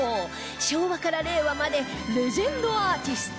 昭和から令和までレジェンドアーティスト